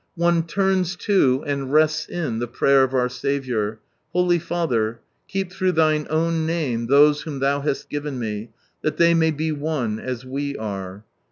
One turns to, and rests in, the prayer of our Saviour —" Holy Father, keep through Thine own name those whom Thou hast given Me, that they may be one as We are.